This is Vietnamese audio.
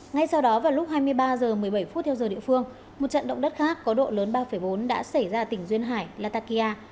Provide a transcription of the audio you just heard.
ngay sau đó vào lúc hai mươi ba h một mươi bảy phút theo giờ địa phương một trận động đất khác có độ lớn ba bốn đã xảy ra ở tỉnh duyên hải latakia